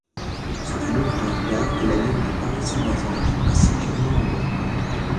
C'est un ouvrage d'art de la ligne de Paris-Saint-Lazare à Saint-Germain-en-Laye.